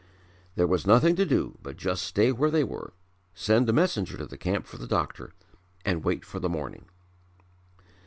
There was nothing to do but just stay where they were, send a messenger to the camp for the doctor, and wait for the morning.